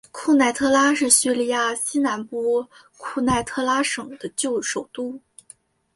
库奈特拉是叙利亚西南部库奈特拉省的旧首都。